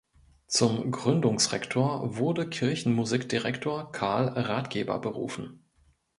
Zum Gründungsrektor wurde Kirchenmusikdirektor Karl Rathgeber berufen.